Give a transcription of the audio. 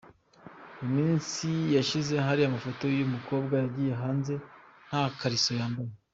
Mu minsi yashize hari amafoto y’uyu mukobwa yagiye hanze nta kariso yambaye.